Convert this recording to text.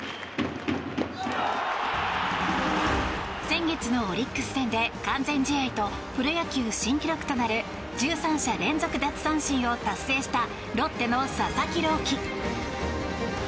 先月のオリックス戦で完全試合とプロ野球新記録となる１３者連続奪三振を達成したロッテの佐々木朗希。